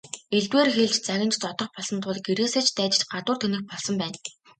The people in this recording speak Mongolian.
Элдвээр хэлж, загнаж зодох болсон тул гэрээсээ ч дайжиж гадуур тэнэх болсон байна.